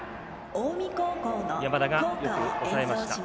山田がよく抑えました。